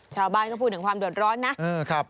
ชาวบ้านก็พูดถึงความเดือดร้อนนะ